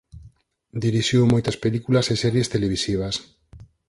Dirixiu moitas películas e series televisivas.